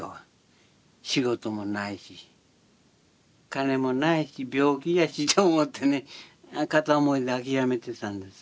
仕事もないし金もないし病気やしと思ってね片思いで諦めてたんです。